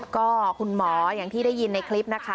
ก็คุณหมออย่างที่ได้ยินในคลิปนะคะ